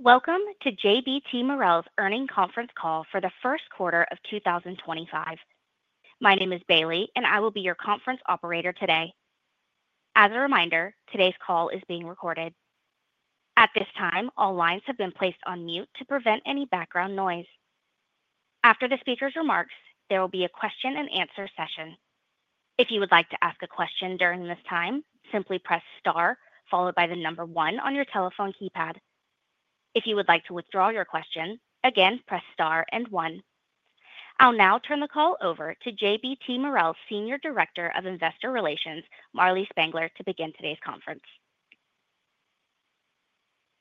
Welcome to JBT Marel Earnings Conference Call for the first quarter of 2025. My name is Bailey, and I will be your conference operator today. As a reminder, today's call is being recorded. At this time, all lines have been placed on mute to prevent any background noise. After the speaker's remarks, there will be a question-and-answer session. If you would like to ask a question during this time, simply press star followed by the number one on your telephone keypad. If you would like to withdraw your question, again, press star and one. I'll now turn the call over to JBT Marel's Senior Director of Investor Relations, Marlee Spangler, to begin today's conference.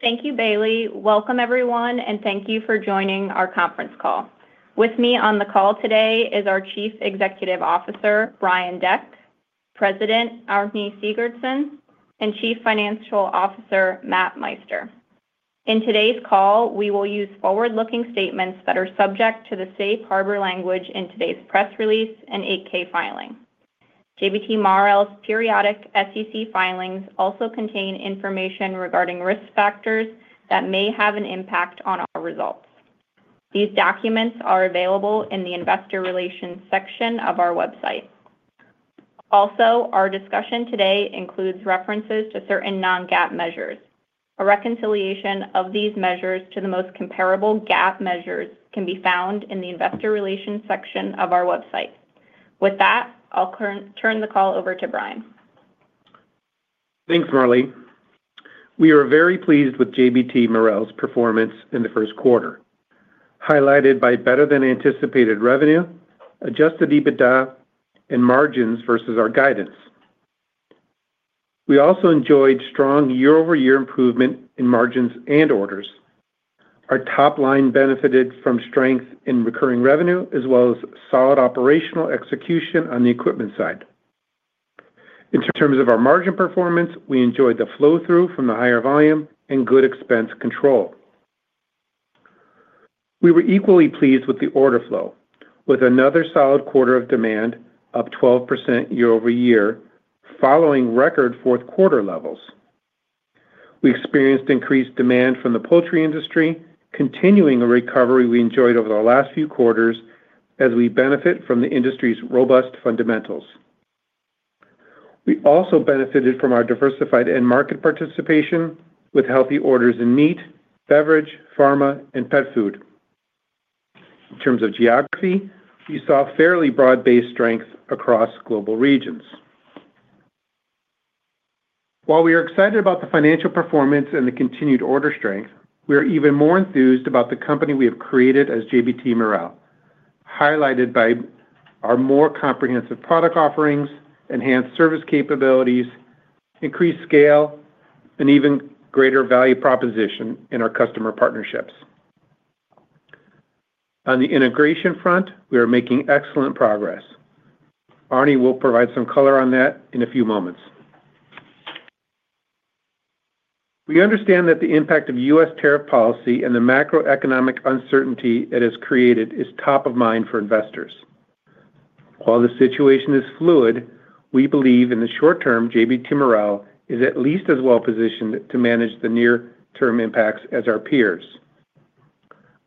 Thank you, Bailey. Welcome, everyone, and thank you for joining our conference call. With me on the call today is our Chief Executive Officer, Brian Deck, President Arni Sigurdsson, and Chief Financial Officer, Matt Meister. In today's call, we will use forward-looking statements that are subject to the safe harbor language in today's press release and 8-K filing. JBT Marel's periodic SEC filings also contain information regarding risk factors that may have an impact on our results. These documents are available in the investor relations section of our website. Also, our discussion today includes references to certain non-GAAP measures. A reconciliation of these measures to the most comparable GAAP measures can be found in the investor relations section of our website. With that, I'll turn the call over to Brian. Thanks, Marlee. We are very pleased with JBT Marel's performance in the first quarter, highlighted by better-than-anticipated revenue, EBITDA, and margins versus our guidance. We also enjoyed strong year-over-year improvement in margins and orders. Our top line benefited from strength in recurring revenue, as well as solid operational execution on the equipment side. In terms of our margin performance, we enjoyed the flow-through from the higher volume and good expense control. We were equally pleased with the order flow, with another solid quarter of demand up 12% year-over-year, following record fourth-quarter levels. We experienced increased demand from the poultry industry, continuing a recovery we enjoyed over the last few quarters, as we benefit from the industry's robust fundamentals. We also benefited from our diversified end market participation, with healthy orders in meat, beverage, pharma, and pet food. In terms of geography, we saw fairly broad-based strength across global regions. While we are excited about the financial performance and the continued order strength, we are even more enthused about the company we have created as JBT Marel, highlighted by our more comprehensive product offerings, enhanced service capabilities, increased scale, and even greater value proposition in our customer partnerships. On the integration front, we are making excellent progress. Arni will provide some color on that in a few moments. We understand that the impact of U.S. tariff policy and the macroeconomic uncertainty it has created is top of mind for investors. While the situation is fluid, we believe in the short term JBT Marel is at least as well positioned to manage the near-term impacts as our peers.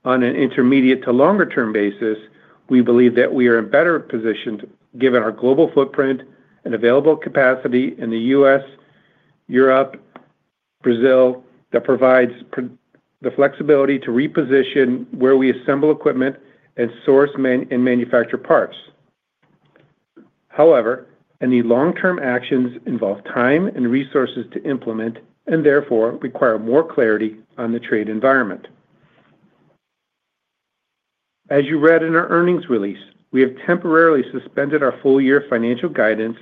On an intermediate to longer-term basis, we believe that we are in better position given our global footprint and available capacity in the U.S., Europe, and Asia that provides the flexibility to reposition where we assemble equipment and source and manufacture parts. However, any long-term actions involve time and resources to implement and therefore require more clarity on the trade environment. As you read in our earnings release, we have temporarily suspended our full-year financial guidance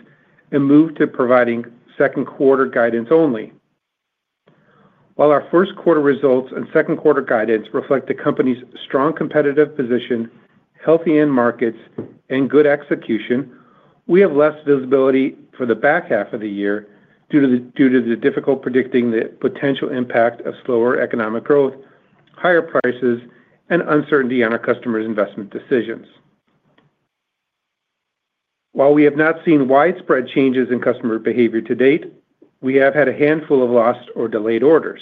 and moved to providing second-quarter guidance only. While our first-quarter results and second-quarter guidance reflect the company's strong competitive position, healthy end markets, and good execution, we have less visibility for the back half of the year due to the difficult predicting the potential impact of slower economic growth, higher prices, and uncertainty on our customers' investment decisions. While we have not seen widespread changes in customer behavior to date, we have had a handful of lost or delayed orders.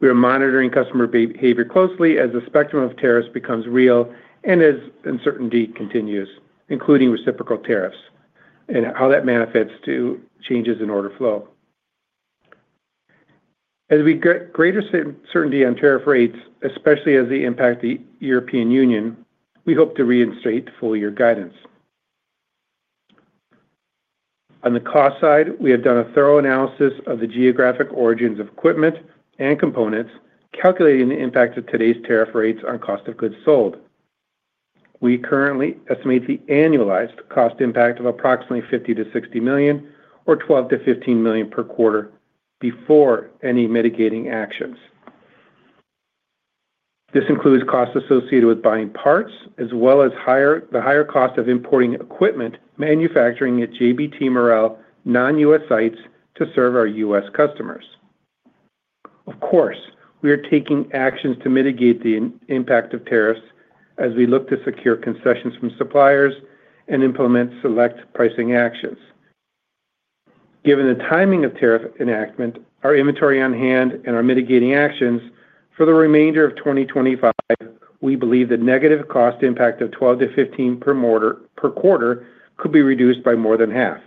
We are monitoring customer behavior closely as the spectrum of tariffs becomes real and as uncertainty continues, including reciprocal tariffs and how that manifests to changes in order flow. As we get greater certainty on tariff rates, especially as they impact the European Union, we hope to reinstate full-year guidance. On the cost side, we have done a thorough analysis of the geographic origins of equipment and components, calculating the impact of today's tariff rates on cost of goods sold. We currently estimate the annualized cost impact of approximately $50 million-$60 million, or $12 million-$15 million per quarter, before any mitigating actions. This includes costs associated with buying parts, as well as the higher cost of importing equipment manufacturing at JBT Marel non-U.S. sites to serve our U.S. customers. Of course, we are taking actions to mitigate the impact of tariffs as we look to secure concessions from suppliers and implement select pricing actions. Given the timing of tariff enactment, our inventory on hand, and our mitigating actions, for the remainder of 2025, we believe the negative cost impact of $12 million-$15 million per quarter could be reduced by more than half.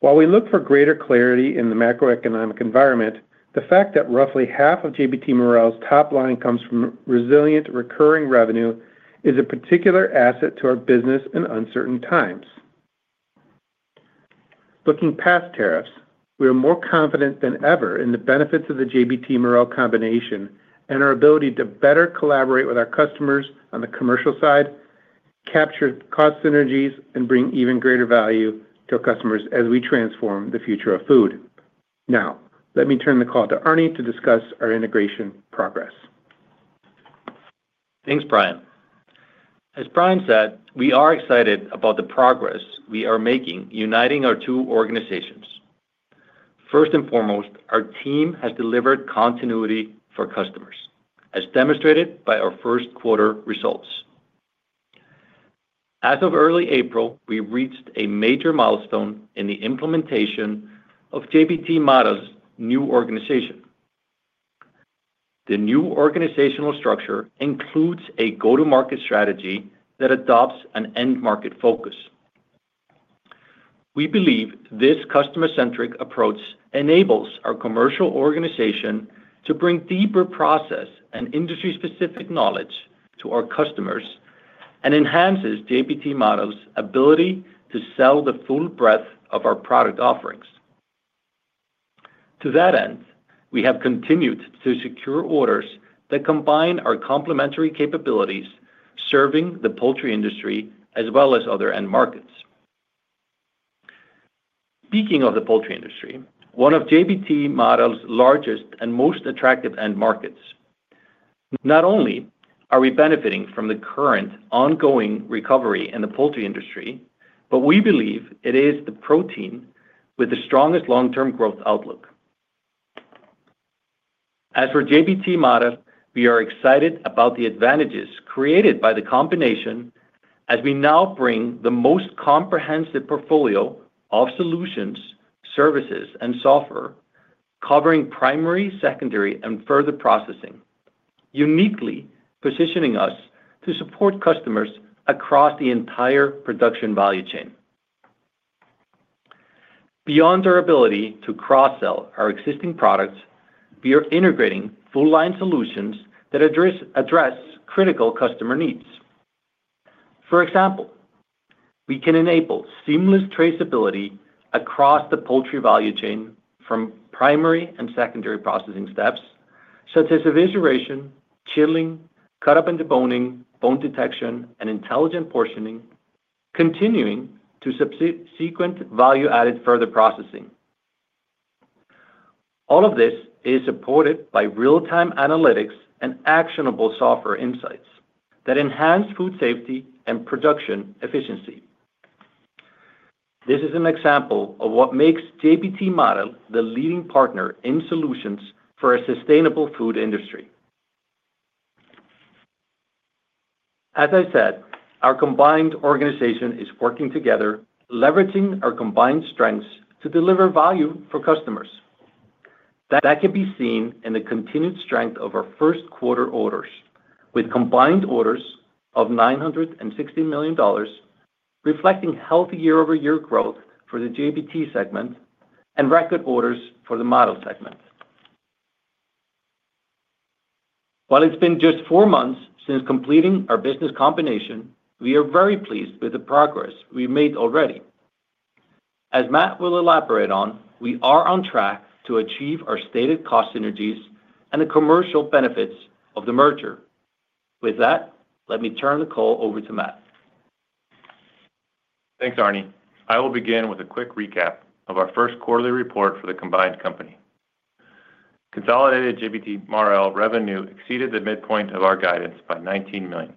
While we look for greater clarity in the macroeconomic environment, the fact that roughly half of JBT Marel's top line comes from resilient recurring revenue is a particular asset to our business in uncertain times. Looking past tariffs, we are more confident than ever in the benefits of the JBT Marel combination and our ability to better collaborate with our customers on the commercial side, capture cost synergies, and bring even greater value to our customers as we transform the future of food. Now, let me turn the call to Arni to discuss our integration progress. Thanks, Brian. As Brian said, we are excited about the progress we are making uniting our two organizations. First and foremost, our team has delivered continuity for customers, as demonstrated by our first-quarter results. As of early April, we reached a major milestone in the implementation of JBT Marel's new organization. The new organizational structure includes a go-to-market strategy that adopts an end market focus. We believe this customer-centric approach enables our commercial organization to bring deeper process and industry-specific knowledge to our customers and enhances JBT Marel's ability to sell the full breadth of our product offerings. To that end, we have continued to secure orders that combine our complementary capabilities serving the poultry industry as well as other end markets. Speaking of the poultry industry, one of JBT Marel's largest and most attractive end markets. Not only are we benefiting from the current ongoing recovery in the poultry industry, but we believe it is the protein with the strongest long-term growth outlook. As for JBT Marel, we are excited about the advantages created by the combination as we now bring the most comprehensive portfolio of solutions, services, and software covering primary, secondary, and further processing, uniquely positioning us to support customers across the entire production value chain. Beyond our ability to cross-sell our existing products, we are integrating full-line solutions that address critical customer needs. For example, we can enable seamless traceability across the poultry value chain from primary and secondary processing steps, such as evisceration, chilling, cut-up, deboning, bone detection, and intelligent portioning, continuing to subsequent value-added further processing. All of this is supported by real-time analytics and actionable software insights that enhance food safety and production efficiency. This is an example of what makes JBT Marel the leading partner in solutions for a sustainable food industry. As I said, our combined organization is working together, leveraging our combined strengths to deliver value for customers. That can be seen in the continued strength of our first-quarter orders, with combined orders of $960 million, reflecting healthy year-over-year growth for the JBT segment and record orders for the Marel segment. While it's been just four months since completing our business combination, we are very pleased with the progress we've made already. As Matt will elaborate on, we are on track to achieve our stated cost synergies and the commercial benefits of the merger. With that, let me turn the call over to Matt. Thanks, Arni. I will begin with a quick recap of our first quarterly report for the combined company. Consolidated JBT Marel revenue exceeded the midpoint of our guidance by $19 million,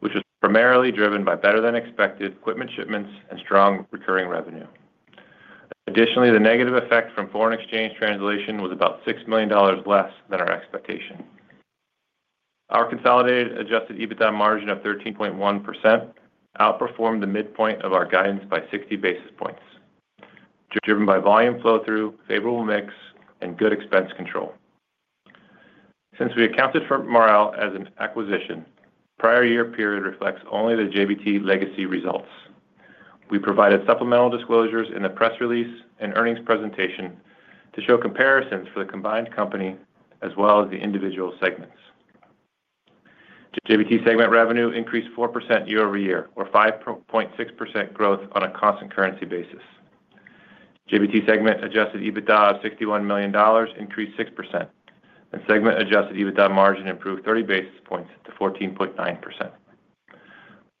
which was primarily driven by better-than-expected equipment shipments and strong recurring revenue. Additionally, the negative effect from foreign exchange translation was about $6 million less than our expectation. Our consolidated Ajusted EBITDA margin of 13.1% outperformed the midpoint of our guidance by 60 basis points, driven by volume flow-through, favorable mix, and good expense control. Since we accounted for Marel as an acquisition, the prior year period reflects only the JBT legacy results. We provided supplemental disclosures in the press release and earnings presentation to show comparisons for the combined company as well as the individual segments. JBT segment revenue increased 4% year-over-year, or 5.6% growth on a constant currency basis. JBT segment Adjusted EBITDA of $61 million increased 6%, and segment Adjusted EBITDA margin improved 30 basis points to 14.9%.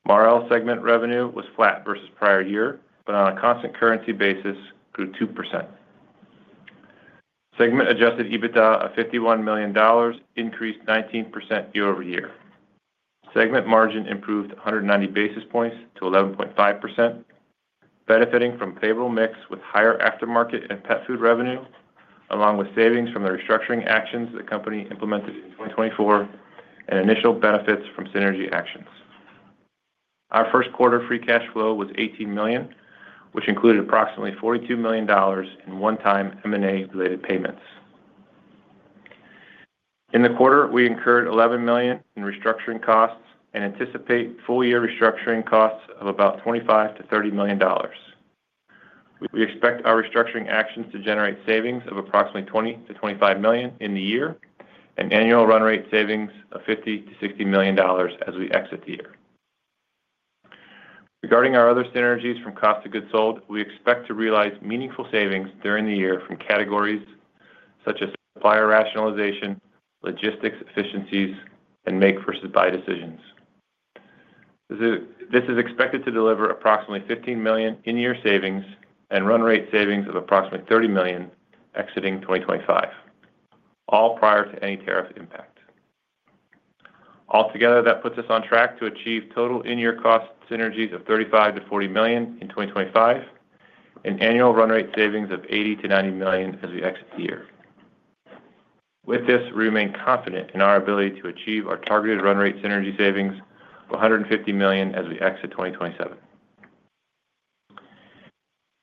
Marel segment revenue was flat versus prior year, but on a constant currency basis grew 2%. Segment Adjusted EBITDA of $51 million increased 19% year-over-year. Segment margin improved 190 basis points to 11.5%, benefiting from favorable mix with higher aftermarket and pet food revenue, along with savings from the restructuring actions the company implemented in 2024 and initial benefits from synergy actions. Our first-quarter free cash flow was $18 million, which included approximately $42 million in one-time M&A-related payments. In the quarter, we incurred $11 million in restructuring costs and anticipate full-year restructuring costs of about $25 million-$30 million. We expect our restructuring actions to generate savings of approximately $20 million-$25 million in the year and annual run rate savings of $50 million-$60 million as we exit the year. Regarding our other synergies from cost of goods sold, we expect to realize meaningful savings during the year from categories such as supplier rationalization, logistics efficiencies, and make versus buy decisions. This is expected to deliver approximately $15 million in-year savings and run rate savings of approximately $30 million exiting 2025, all prior to any tariff impact. Altogether, that puts us on track to achieve total in-year cost synergies of $35 million-$40 million in 2025 and annual run rate savings of $80 million-$90 million as we exit the year. With this, we remain confident in our ability to achieve our targeted run rate synergy savings of $150 million as we exit 2027.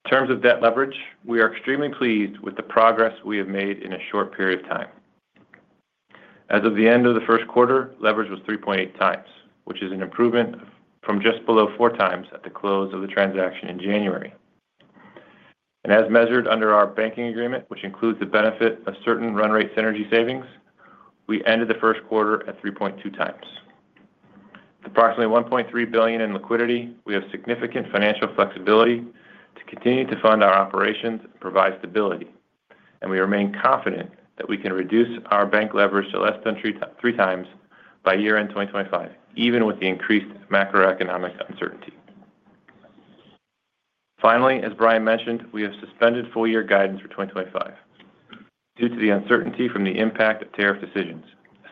In terms of debt leverage, we are extremely pleased with the progress we have made in a short period of time. As of the end of the first quarter, leverage was 3.8x, which is an improvement from just below 4x at the close of the transaction in January. As measured under our banking agreement, which includes the benefit of certain run rate synergy savings, we ended the first quarter at 3.2x. With approximately $1.3 billion in liquidity, we have significant financial flexibility to continue to fund our operations and provide stability, and we remain confident that we can reduce our bank leverage to less than 3x by year-end 2025, even with the increased macroeconomic uncertainty. Finally, as Brian mentioned, we have suspended full-year guidance for 2025 due to the uncertainty from the impact of tariff decisions,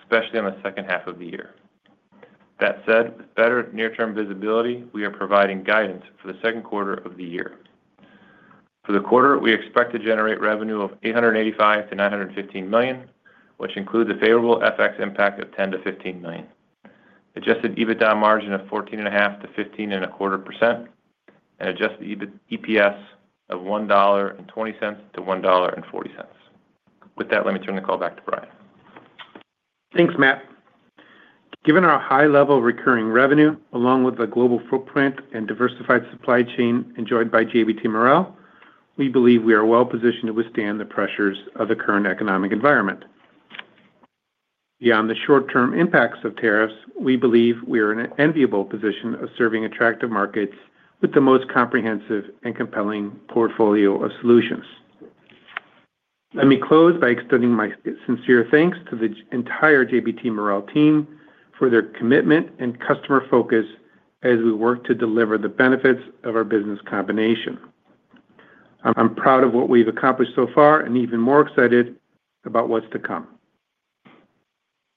especially on the H2. That said, with better near-term visibility, we are providing guidance for the second quarter of the year. For the quarter, we expect to generate revenue of $885 million-$915 million, which includes a favorable FX impact of $10 million-$15 million, Adjusted EBITDA margin of 14.5%-15.25%, and Adjusted EPS of $1.20-$1.40. With that, let me turn the call back to Brian. Thanks, Matt. Given our high-level recurring revenue, along with the global footprint and diversified supply chain enjoyed by JBT Marel, we believe we are well-positioned to withstand the pressures of the current economic environment. Beyond the short-term impacts of tariffs, we believe we are in an enviable position of serving attractive markets with the most comprehensive and compelling portfolio of solutions. Let me close by extending my sincere thanks to the entire JBT Marel team for their commitment and customer focus as we work to deliver the benefits of our business combination. I'm proud of what we've accomplished so far and even more excited about what's to come.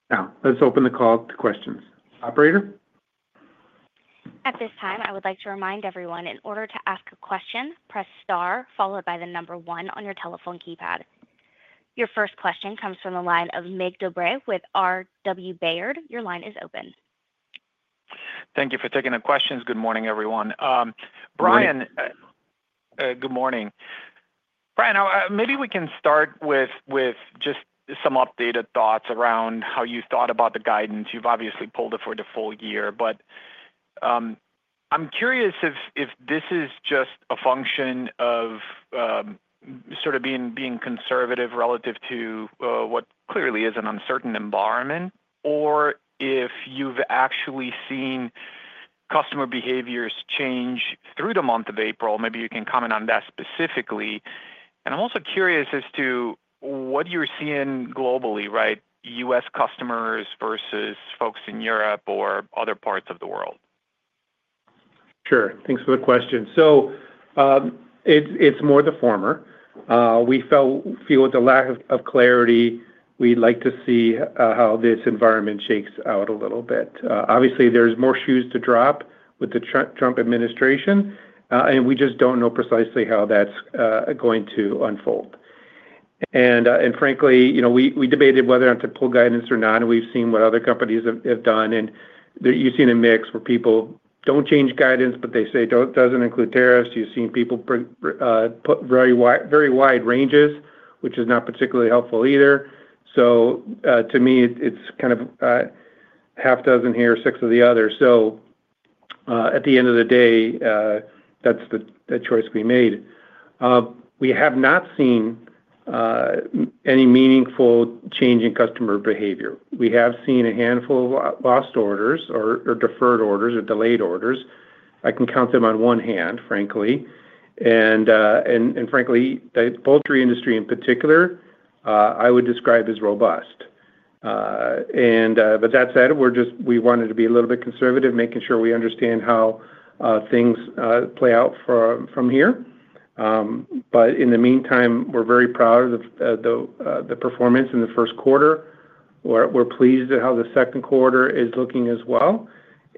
Now, let's open the call to questions. Operator? At this time, I would like to remind everyone, in order to ask a question, press star followed by the number one on your telephone keypad. Your first question comes from the line of Mig Dobre with R.W. Baird. Your line is open. Thank you for taking the questions. Good morning, everyone. Brian. Hi. Good morning. Brian, maybe we can start with just some updated thoughts around how you thought about the guidance. You've obviously pulled it for the Full year, but I'm curious if this is just a function of sort of being conservative relative to what clearly is an uncertain environment, or if you've actually seen customer behaviors change through the month of April. Maybe you can comment on that specifically. I'm also curious as to what you're seeing globally, right? U.S. customers versus folks in Europe or other parts of the world. Sure. Thanks for the question. It is more the former. We feel with the lack of clarity, we'd like to see how this environment shakes out a little bit. Obviously, there are more shoes to drop with the Trump administration, and we just do not know precisely how that is going to unfold. Frankly, we debated whether or not to pull guidance, and we have seen what other companies have done. You have seen a mix where people do not change guidance, but they say, "Does not include tariffs." You have seen people put very wide ranges, which is not particularly helpful either. To me, it is kind of half dozen here, six of the other. At the end of the day, that is the choice we made. We have not seen any meaningful change in customer behavior. We have seen a handful of lost orders or deferred orders or delayed orders. I can count them on one hand, Frankly. Frankly, the poultry industry in particular, I would describe as robust. That said, we wanted to be a little bit conservative, making sure we understand how things play out from here. In the meantime, we're very proud of the performance in the first quarter. We're pleased at how the second quarter is looking as well,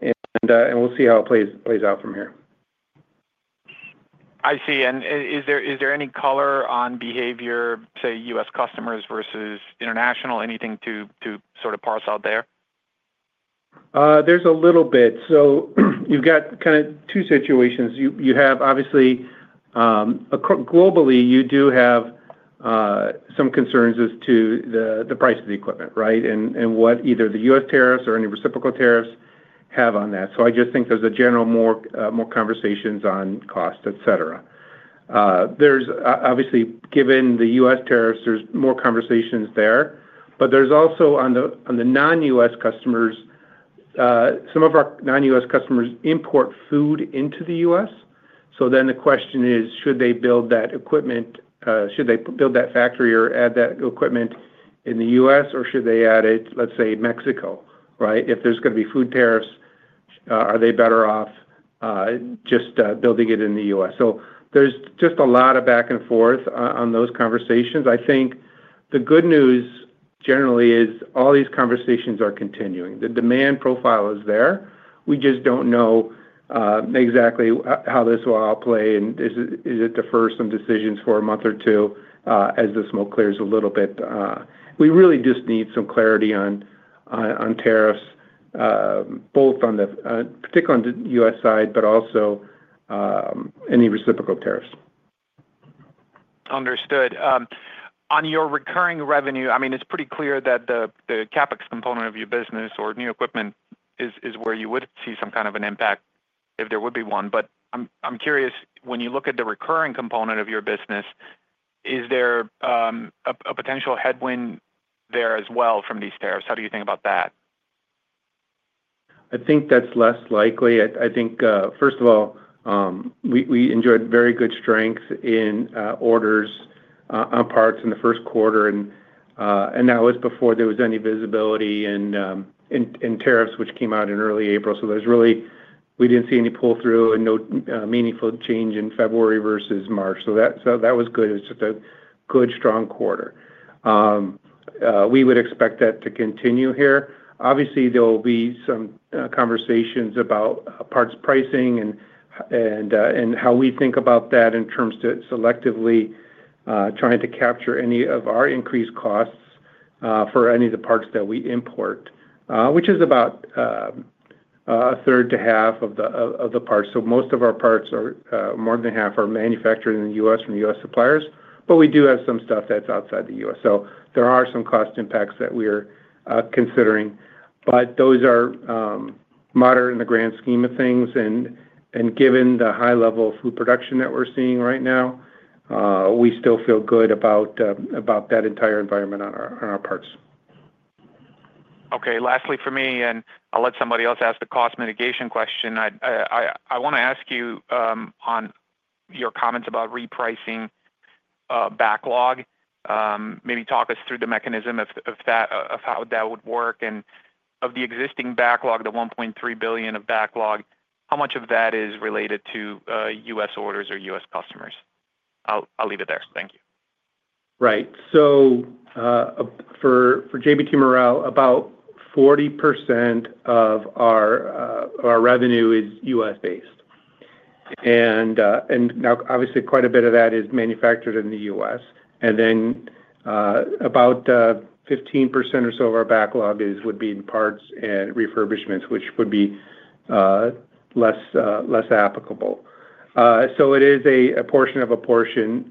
and we'll see how it plays out from here. I see. Is there any color on behavior, say, U.S. customers versus international? Anything to sort of parse out there? There's a little bit. You've got kind of two situations. You have, obviously, globally, you do have some concerns as to the price of the equipment, right, and what either the U.S. tariffs or any reciprocal tariffs have on that. I just think there's a general more conversations on cost, etc. Obviously, given the U.S. tariffs, there's more conversations there. There's also on the non-U.S. customers, some of our non-U.S. customers import food into the U.S. The question is, should they build that equipment, should they build that factory or add that equipment in the U.S., or should they add it, let's say,, right? If there's going to be food tariffs, are they better off just building it in the U.S.? There's just a lot of back and forth on those conversations. I think the good news generally is all these conversations are continuing. The demand profile is there. We just don't know exactly how this will all play, and is it to fersome decisions for a month or two as the smoke clears a little bit? We really just need some clarity on tariffs, both particularly on the U.S. side, but also any reciprocal tariffs. Understood. On your recurring revenue, I mean, it's pretty clear that the CapEx component of your business or new equipment is where you would see some kind of an impact if there would be one. I’m curious, when you look at the recurring component of your business, is there a potential headwind there as well from these tariffs? How do you think about that? I think that's less likely. I think, first of all, we enjoyed very good strength in orders on parts in the first quarter, and that was before there was any visibility in tariffs, which came out in early April. We didn't see any pull-through and no meaningful change in February versus March. That was good. It was just a good, strong quarter. We would expect that to continue here. Obviously, there will be some conversations about parts pricing and how we think about that in terms of selectively trying to capture any of our increased costs for any of the parts that we import, which is about a third to half of the parts. Most of our parts, more than half, are manufactured in the U.S. from U.S. suppliers, but we do have some stuff that's outside the U.S. There are some cost impacts that we're considering, but those are moderate in the grand scheme of things. Given the high level of food production that we're seeing right now, we still feel good about that entire environment on our parts. Okay. Lastly, for me, and I'll let somebody else ask the cost mitigation question, I want to ask you on your comments about repricing backlog. Maybe talk us through the mechanism of how that would work. And of the existing backlog, the $1.3 billion of backlog, how much of that is related to U.S. orders or U.S. customers? I'll leave it there. Thank you. Right. For JBT Marel, about 40% of our revenue is U.S.-based. Obviously, quite a bit of that is manufactured in the U.S. About 15% or so of our backlog would be in parts and refurbishments, which would be less applicable. It is a portion of a portion,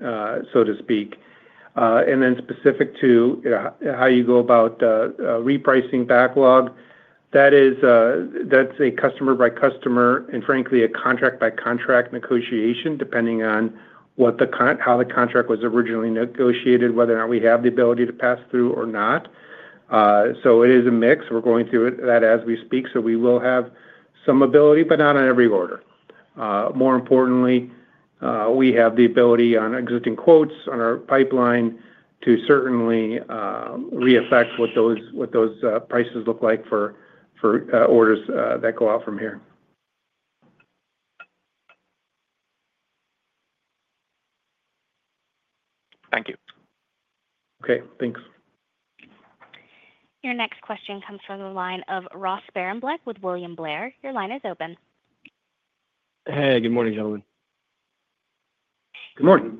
so to speak. Specific to how you go about repricing backlog, that's a customer-by-customer and, frankly, a contract-by-contract negotiation, depending on how the contract was originally negotiated, whether or not we have the ability to pass through or not. It is a mix. We're going through that as we speak. We will have some ability, but not on every order. More importantly, we have the ability on existing quotes on our pipeline to certainly reaffect what those prices look like for orders that go out from here. Thank you. Okay. Thanks. Your next question comes from the line of Ross Sparenblek with William Blair. Your line is open. Hey. Good morning, gentlemen. Good morning.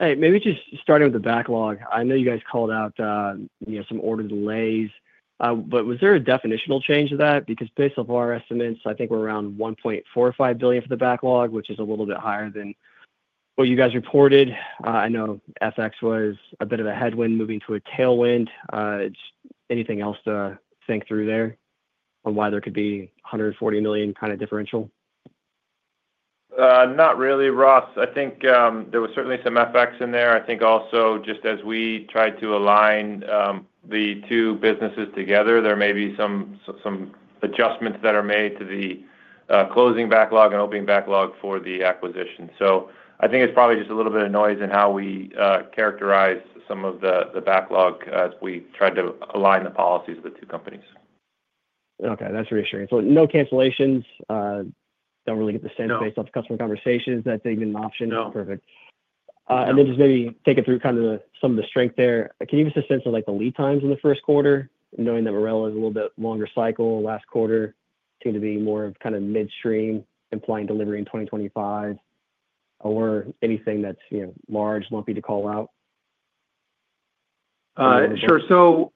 Hey. Maybe just starting with the backlog, I know you guys called out some order delays, but was there a definitional change to that? Because based off of our estimates, I think we're around $1.45 billion for the backlog, which is a little bit higher than what you guys reported. I know FX was a bit of a headwind moving to a tailwind. Anything else to think through there on why there could be $140 million kind of differential? Not really, Ross. I think there was certainly some FX in there. I think also, just as we tried to align the two businesses together, there may be some adjustments that are made to the closing backlog and opening backlog for the acquisition. I think it's probably just a little bit of noise in how we characterize some of the backlog as we tried to align the policies of the two companies. Okay. That's reassuring. No cancellations. Don't really get the sense based off customer conversations that they've been an option. No. Perfect. Maybe take it through kind of some of the strength there. Can you give us a sense of the lead times in the first quarter, knowing that Marel is a little bit longer cycle? Last quarter seemed to be more of kind of midstream, implying delivery in 2025, or anything that's large, lumpy to call out? Sure.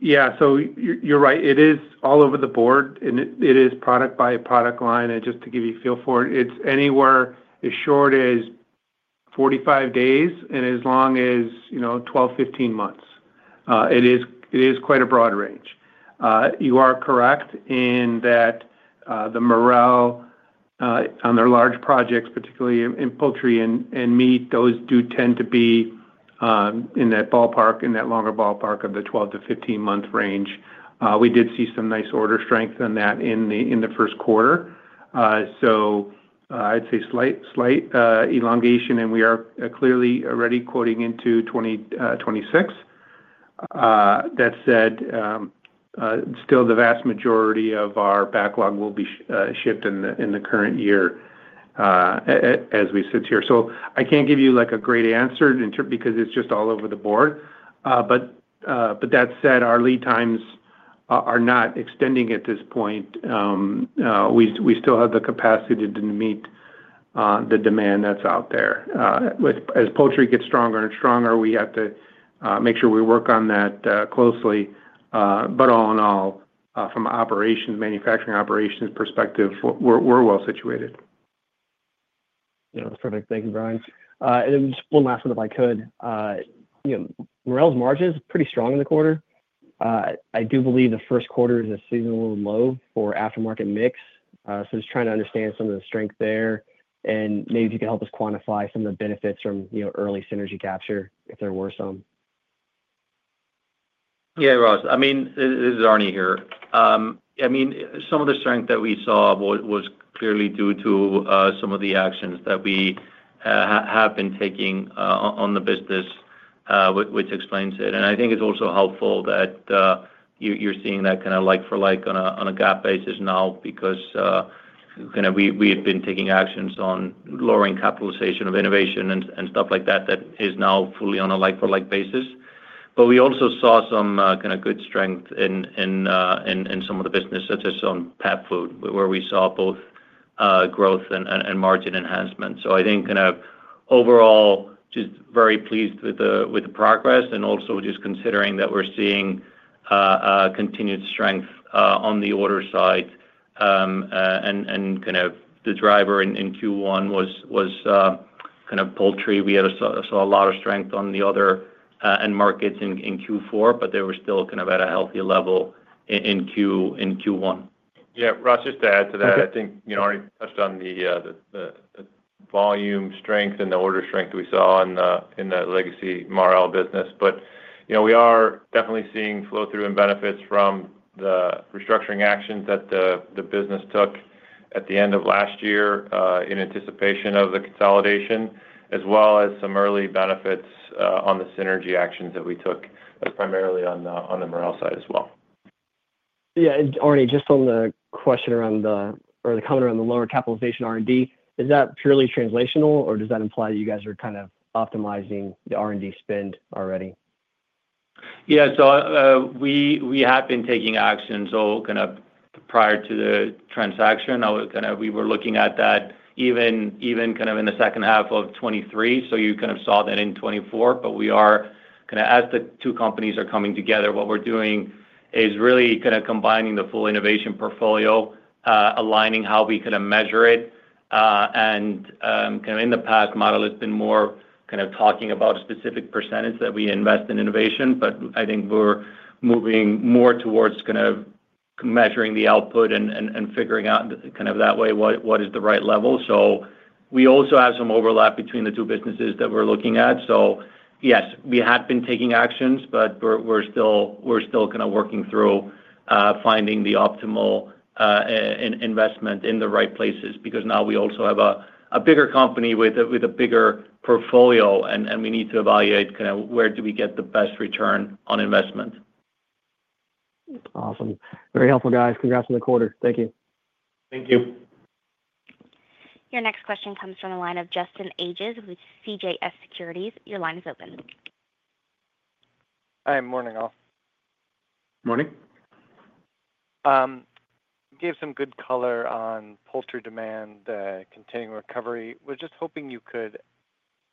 Yeah, you're right. It is all over the board, and it is product by product line. Just to give you a feel for it, it's anywhere as short as 45 days and as long as 12-15 months. It is quite a broad range. You are correct in that Marel, on their large projects, particularly in poultry and meat, those do tend to be in that ballpark, in that longer ballpark of the 12-15 month range. We did see some nice order strength in that in the first quarter. I'd say slight elongation, and we are clearly already quoting into 2026. That said, still, the vast majority of our backlog will be shipped in the current year as we sit here. I can't give you a great answer because it's just all over the board. That said, our lead times are not extending at this point. We still have the capacity to meet the demand that's out there. As poultry gets stronger and stronger, we have to make sure we work on that closely. All in all, from a manufacturing operations perspective, we're well situated. Yeah. That's perfect. Thank you, Brian. Just one last one, if I could. Marel's margin is pretty strong in the quarter. I do believe the first quarter is a seasonal low for aftermarket mix. Just trying to understand some of the strength there. Maybe if you could help us quantify some of the benefits from early synergy capture, if there were some. Yeah, Ross. I mean, this is Arni here. I mean, some of the strength that we saw was clearly due to some of the actions that we have been taking on the business, which explains it. I think it's also helpful that you're seeing that kind of like-for-like on a GAAP basis now because kind of we have been taking actions on lowering capitalization of innovation and stuff like that that is now fully on a like-for-like basis. We also saw some kind of good strength in some of the business, such as on pet food, where we saw both growth and margin enhancement. I think kind of overall, just very pleased with the progress. Also just considering that we're seeing continued strength on the order side and kind of the driver in Q1 was kind of poultry. We saw a lot of strength on the other end markets in Q4, but they were still kind of at a healthy level in Q1. Yeah. Ross, just to add to that, I think Arni touched on the volume strength and the order strength we saw in the legacy Marel business. We are definitely seeing flow-through and benefits from the restructuring actions that the business took at the end of last year in anticipation of the consolidation, as well as some early benefits on the synergy actions that we took primarily on the Marel side as well. Yeah. Arni, just on the question around the or the comment around the lower capitalization R&D, is that purely translational, or does that imply that you guys are kind of optimizing the R&D spend already? Yeah. We have been taking actions. Kind of prior to the transaction, we were looking at that even in the second half of 2023. You saw that in 2024. We are, as the two companies are coming together, really combining the full innovation portfolio, aligning how we measure it. In the past, Marel has been more talking about a specific % that we invest in innovation. I think we are moving more towards measuring the output and figuring out that way what is the right level. We also have some overlap between the two businesses that we are looking at. Yes, we have been taking actions, but we're still kind of working through finding the optimal investment in the right places because now we also have a bigger company with a bigger portfolio, and we need to evaluate kind of where do we get the best return on investment. Awesome. Very helpful, guys. Congrats on the quarter. Thank you. Thank you. Your next question comes from the line of Justin Ages with CJS Securities. Your line is open. Hi. Morning, all. Morning. You gave some good color on poultry demand, the continuing recovery. We are just hoping you could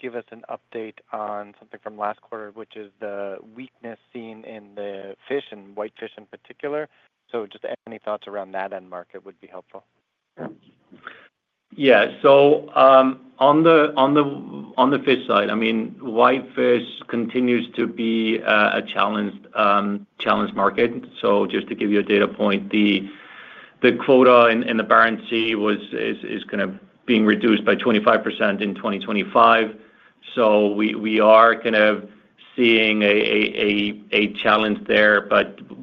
give us an update on something from last quarter, which is the weakness seen in the fish and whitefish in particular. Just any thoughts around that end market would be helpful. Yeah. On the fish side, I mean, whitefish continues to be a challenged market. Just to give you a data point, the quota in the Barents Sea is being reduced by 25% in 2025. We are seeing a challenge there.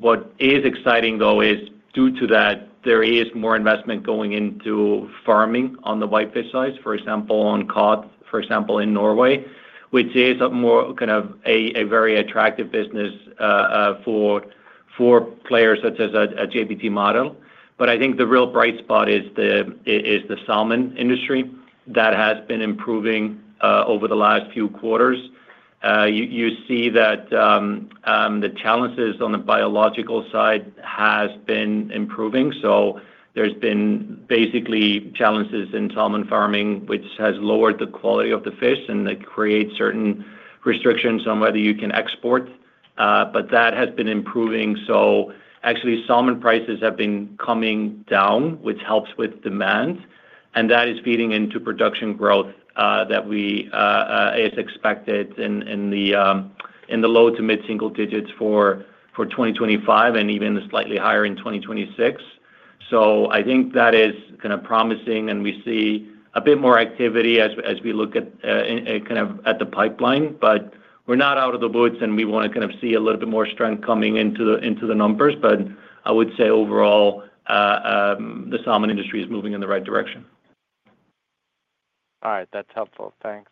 What is exciting, though, is due to that, there is more investment going into farming on the whitefish side, for example, on cod in Iceland which is a very attractive business for players such as JBT Marel. I think the real bright spot is the salmon industry that has been improving over the last few quarters. You see that the challenges on the biological side have been improving. There have been basically challenges in salmon farming, which has lowered the quality of the fish and creates certain restrictions on whether you can export. That has been improving. Actually, salmon prices have been coming down, which helps with demand. That is feeding into production growth that is expected in the low to mid-single digits for 2025 and even slightly higher in 2026. I think that is kind of promising, and we see a bit more activity as we look at the pipeline. We are not out of the woods, and we want to see a little bit more strength coming into the numbers. I would say overall, the salmon industry is moving in the right direction. All right. That's helpful. Thanks.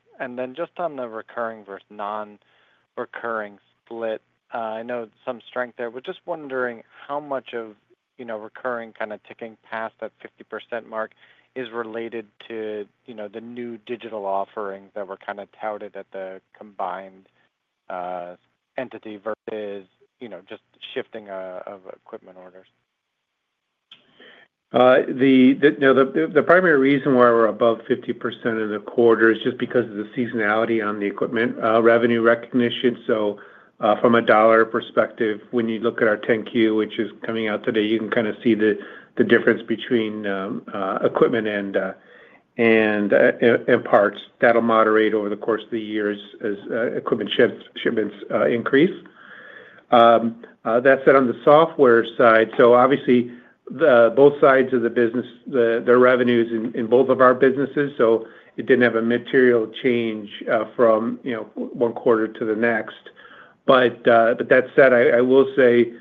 Just on the recurring versus non-recurring split, I know some strength there. We're just wondering how much of recurring kind of ticking past that 50% mark is related to the new digital offerings that were kind of touted at the combined entity versus just shifting of equipment orders. The primary reason why we're above 50% in the quarter is just because of the seasonality on the equipment revenue recognition. From a dollar perspective, when you look at our 10Q, which is coming out today, you can kind of see the difference between equipment and parts. That'll moderate over the course of the years as equipment shipments increase. That said, on the software side, obviously, both sides of the business, the revenues in both of our businesses. It didn't have a material change from one quarter to the next. That said, I will say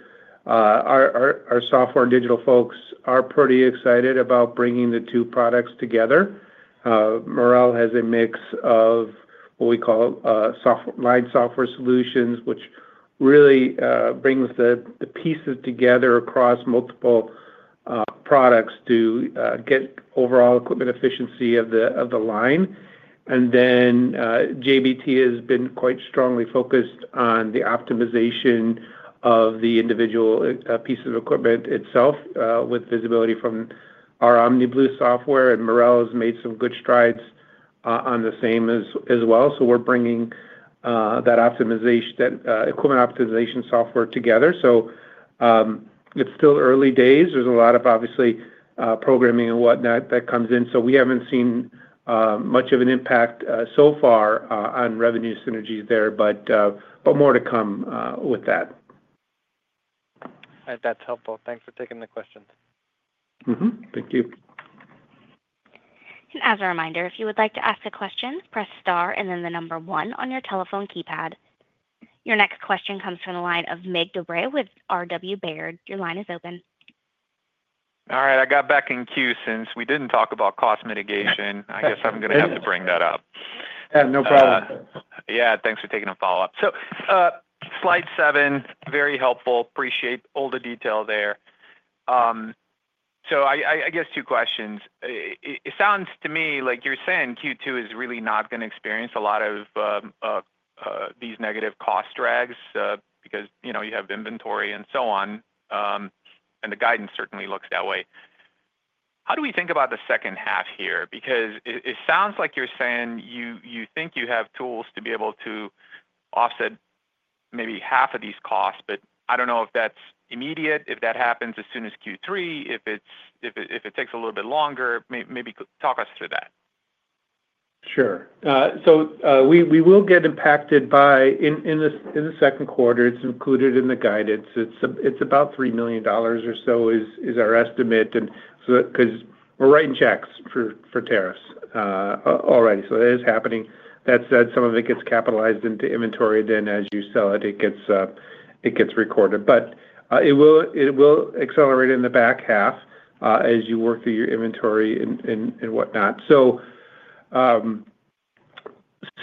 our software and digital folks are pretty excited about bringing the two products together. Marel has a mix of what we call line software solutions, which really brings the pieces together across multiple products to get overall equipment efficiency of the line. JBT has been quite strongly focused on the optimization of the individual pieces of equipment itself with visibility from our OmniBlu software. Marel has made some good strides on the same as well. We are bringing that equipment optimization software together. It is still early days. There is a lot of, obviously, programming and whatnot that comes in. We have not seen much of an impact so far on revenue synergies there, but more to come with that. That's helpful. Thanks for taking the questions. Thank you. As a reminder, if you would like to ask a question, press star and then the number one on your telephone keypad. Your next question comes from the line of Mig Dobre with RW Baird. Your line is open. All right. I got back in queue since we did not talk about cost mitigation. I guess I am going to have to bring that up. Yeah. No problem. Yeah. Thanks for taking a follow-up. Slide seven, very helpful. Appreciate all the detail there. I guess two questions. It sounds to me like you're saying Q2 is really not going to experience a lot of these negative cost drags because you have inventory and so on. The guidance certainly looks that way. How do we think about the second half here? It sounds like you're saying you think you have tools to be able to offset maybe half of these costs. I don't know if that's immediate, if that happens as soon as Q3, if it takes a little bit longer. Maybe talk us through that. Sure. We will get impacted by in the second quarter. It's included in the guidance. It's about $3 million or so is our estimate because we're writing checks for tariffs already. That is happening. That said, some of it gets capitalized into inventory. Then as you sell it, it gets recorded. It will accelerate in the back half as you work through your inventory and whatnot.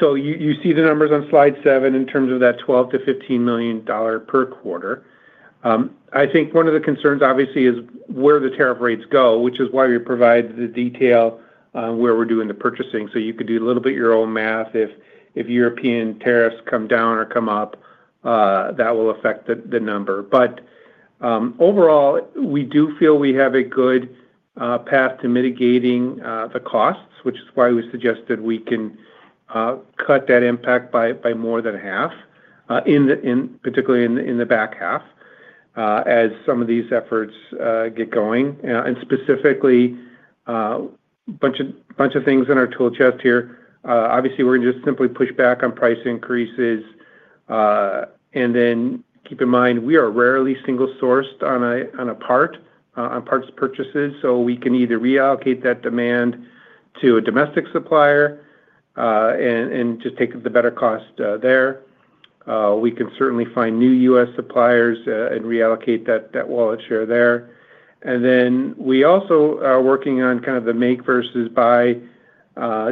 You see the numbers on slide seven in terms of that $12 million-$15 million per quarter. I think one of the concerns, obviously, is where the tariff rates go, which is why we provide the detail on where we're doing the purchasing. You could do a little bit of your own math. If European tariffs come down or come up, that will affect the number. Overall, we do feel we have a good path to mitigating the costs, which is why we suggested we can cut that impact by more than half, particularly in the back half, as some of these efforts get going. Specifically, a bunch of things in our tool chest here. Obviously, we're going to just simply push back on price increases. Keep in mind, we are rarely single-sourced on a part, on parts purchases. We can either reallocate that demand to a domestic supplier and just take the better cost there. We can certainly find new U.S. suppliers and reallocate that wallet share there. We also are working on kind of the make versus buy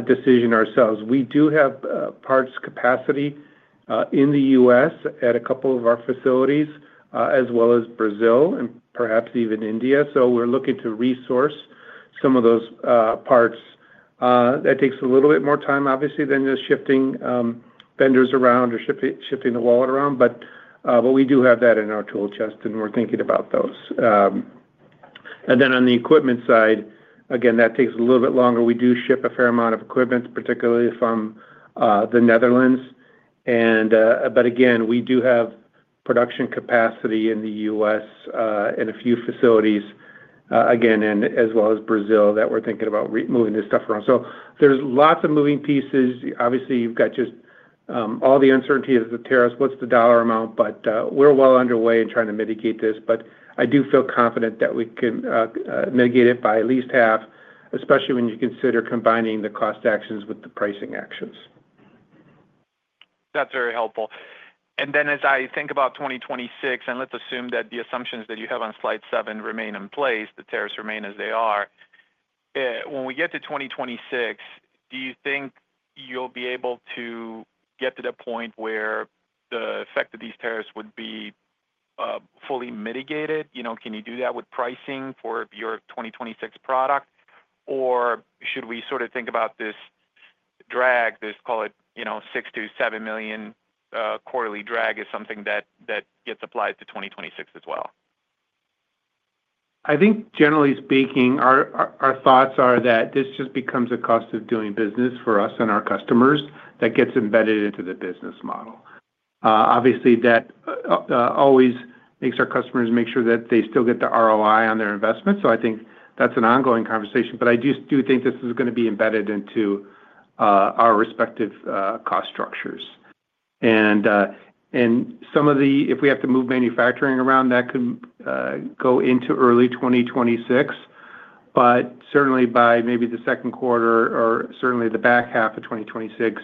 decision ourselves. We do have parts capacity in the U.S. at a couple of our facilities, as well as Brazil and perhaps even Mexico. We're looking to resource some of those parts. That takes a little bit more time, obviously, than just shifting vendors around or shifting the wallet around. We do have that in our tool chest, and we're thinking about those. On the equipment side, again, that takes a little bit longer. We do ship a fair amount of equipment, particularly from the Netherlands. We do have production capacity in the U.S. and a few facilities, as well as Brazil, that we're thinking about moving this stuff around. There are lots of moving pieces. Obviously, you've got just all the uncertainty of the tariffs, what's the dollar amount. We're well underway in trying to mitigate this. I do feel confident that we can mitigate it by at least half, especially when you consider combining the cost actions with the pricing actions. That's very helpful. As I think about 2026, and let's assume that the assumptions that you have on slide seven remain in place, the tariffs remain as they are, when we get to 2026, do you think you'll be able to get to the point where the effect of these tariffs would be fully mitigated? Can you do that with pricing for your 2026 product? Or should we sort of think about this drag, this, call it $6 million-$7 million quarterly drag, as something that gets applied to 2026 as well? I think, generally speaking, our thoughts are that this just becomes a cost of doing business for us and our customers that gets embedded into the business model. Obviously, that always makes our customers make sure that they still get the ROI on their investment. I think that's an ongoing conversation. I do think this is going to be embedded into our respective cost structures. If we have to move manufacturing around, that could go into early 2026. Certainly, by maybe the second quarter or certainly the back half of 2026,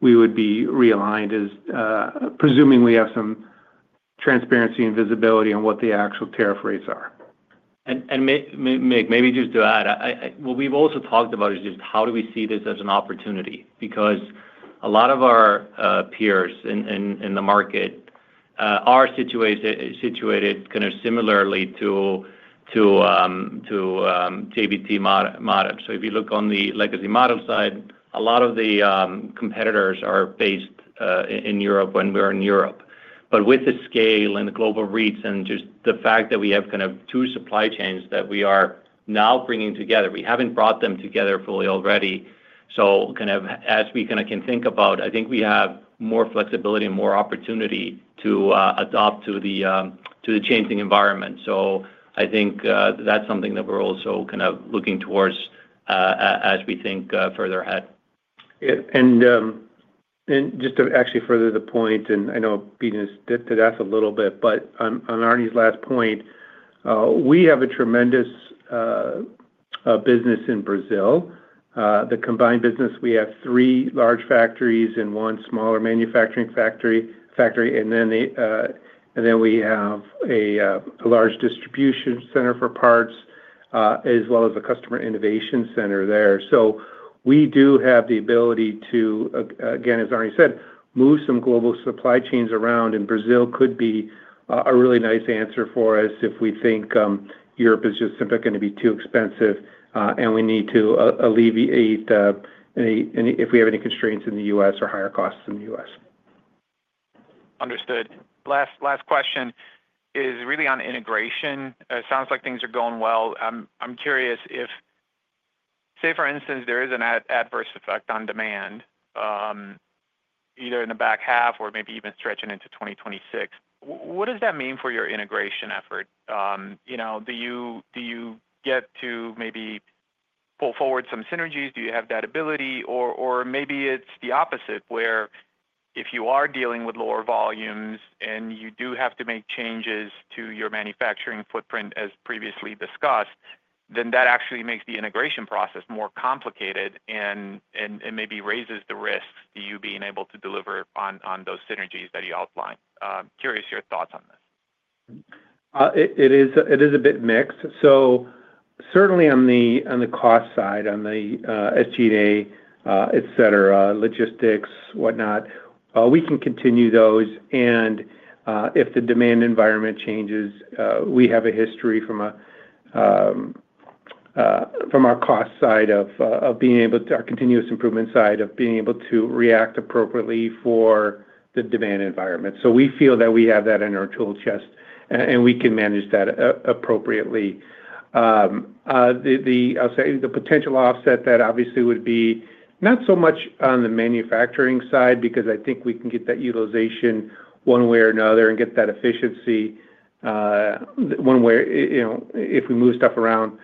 we would be realigned, presuming we have some transparency and visibility on what the actual tariff rates are. Mig, maybe just to add, what we've also talked about is just how do we see this as an opportunity? Because a lot of our peers in the market are situated kind of similarly to JBT Marel. If you look on the legacy model side, a lot of the competitors are based in Europe when we're in Europe. With the scale and the global reach and just the fact that we have kind of two supply chains that we are now bringing together, we haven't brought them together fully already. As we kind of can think about, I think we have more flexibility and more opportunity to adapt to the changing environment. I think that's something that we're also kind of looking towards as we think further ahead. To actually further the point, and I know Peter did ask a little bit, but on Arni's last point, we have a tremendous business in Brazil. The combined business, we have three large factories and one smaller manufacturing factory. We have a large distribution center for parts as well as a customer innovation center there. We do have the ability to, again, as Arni said, move some global supply chains around. Brazil could be a really nice answer for us if we think Europe is just simply going to be too expensive and we need to alleviate if we have any constraints in the U.S. or higher costs in the U.S. Understood. Last question is really on integration. It sounds like things are going well. I'm curious if, say, for instance, there is an adverse effect on demand either in the back half or maybe even stretching into 2026. What does that mean for your integration effort? Do you get to maybe pull forward some synergies? Do you have that ability? Or maybe it's the opposite, where if you are dealing with lower volumes and you do have to make changes to your manufacturing footprint, as previously discussed, then that actually makes the integration process more complicated and maybe raises the risk to you being able to deliver on those synergies that you outlined. Curious your thoughts on this. It is a bit mixed. Certainly on the cost side, on the SG&A, logistics, whatnot, we can continue those. If the demand environment changes, we have a history from our cost side of being able to, our continuous improvement side of being able to react appropriately for the demand environment. We feel that we have that in our tool chest, and we can manage that appropriately. I'll say the potential offset that obviously would be not so much on the manufacturing side because I think we can get that utilization one way or another and get that efficiency one way if we move stuff around.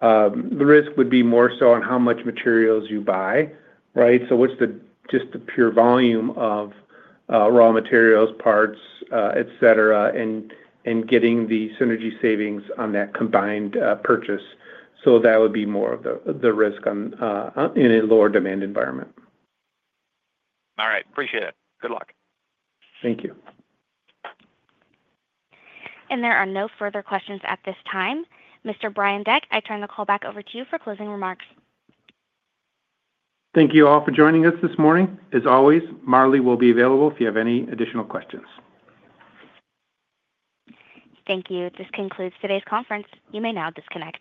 The risk would be more so on how much materials you buy, right? What is just the pure volume of raw materials, parts, and getting the synergy savings on that combined purchase. That would be more of the risk in a lower demand environment. All right. Appreciate it. Good luck. Thank you. There are no further questions at this time. Mr. Brian Deck, I turn the call back over to you for closing remarks. Thank you all for joining us this morning. As always, Marlee will be available if you have any additional questions. Thank you. This concludes today's conference. You may now disconnect.